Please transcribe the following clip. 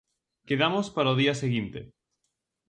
Quedamos para o día seguinte.